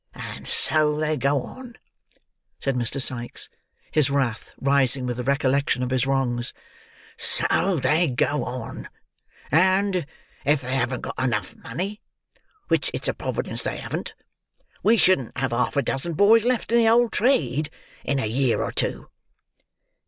And so they go on," said Mr. Sikes, his wrath rising with the recollection of his wrongs, "so they go on; and, if they'd got money enough (which it's a Providence they haven't,) we shouldn't have half a dozen boys left in the whole trade, in a year or two."